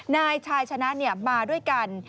นายชายชนะมาด้วยกัน